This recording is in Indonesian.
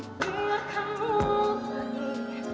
dan jangan lupa